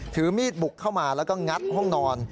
ถือมีดบุกเข้ามาแล้วก็งัดห้องนอน